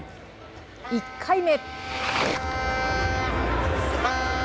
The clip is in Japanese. １回目。